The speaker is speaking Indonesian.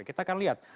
kita akan lihat